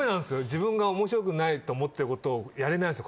自分が面白くないと思ってることをやれないんす